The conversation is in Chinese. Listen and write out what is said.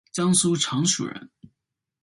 江苏常熟人。